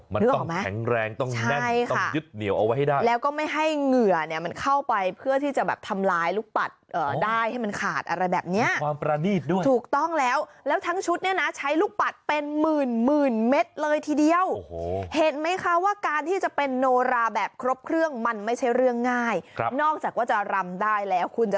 มันนึกออกไหมแข็งแรงต้องแน่นต้องยึดเหนียวเอาไว้ให้ได้แล้วก็ไม่ให้เหงื่อเนี่ยมันเข้าไปเพื่อที่จะแบบทำร้ายลูกปัดได้ให้มันขาดอะไรแบบเนี้ยความประนีตด้วยถูกต้องแล้วแล้วทั้งชุดเนี่ยนะใช้ลูกปัดเป็นหมื่นหมื่นเม็ดเลยทีเดียวโอ้โหเห็นไหมคะว่าการที่จะเป็นโนราแบบครบเครื่องมันไม่ใช่เรื่องง่ายครับนอกจากว่าจะรำได้แล้วคุณจะ